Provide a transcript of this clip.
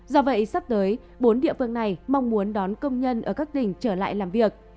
do vậy sắp tới bốn địa phương này mong muốn đón công nhân ở các tỉnh trở lại làm việc